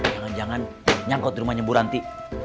jangan jangan nyangkut rumahnya bu ranti